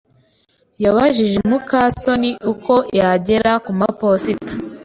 yabajije muka soni uko yagera kumaposita.